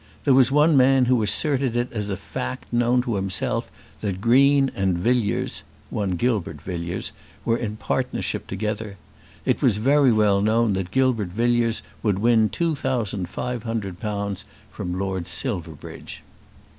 There was one man who asserted it as a fact known to himself that Green and Villiers, one Gilbert Villiers, were in partnership together. It was very well known that Gilbert Villiers would win two thousand five hundred pounds from Lord Silverbridge.